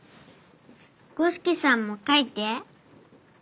五色さんも描いて。